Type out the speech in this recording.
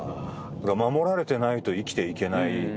守られてないと生きていけない。